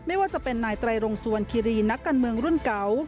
ไม่ว่าจะเป็นนายไตรรงสวรรคิรีนักการเมืองรุ่นเก่า